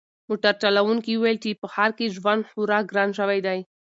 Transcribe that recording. موټر چلونکي وویل چې په ښار کې ژوند خورا ګران شوی دی.